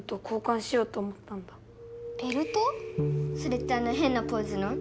それってあのへんなポーズの？